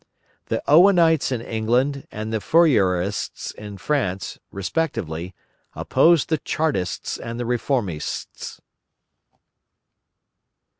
The Owenites in England, and the Fourierists in France, respectively, oppose the Chartists and the "Réformistes."